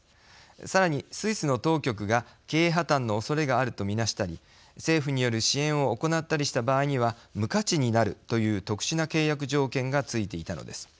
さらに、スイスの当局が経営破綻のおそれがあると見なしたり政府による支援を行ったりした場合には無価値になるという特殊な契約条件がついていたのです。